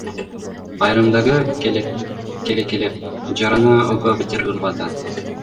Айрымдары келекелеп, жараны ого бетер ырбатат.